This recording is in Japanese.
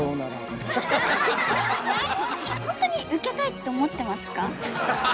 本当にウケたいって思ってますか？